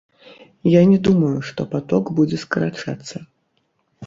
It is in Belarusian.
Я не думаю, што паток будзе скарачацца.